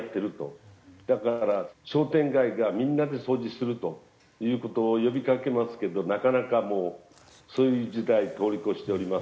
だから商店街がみんなで掃除するという事を呼びかけますけどなかなかもうそういう時代通り越しております。